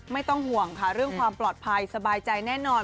ไม่ต้องห่วงค่ะเรื่องความปลอดภัยสบายใจแน่นอน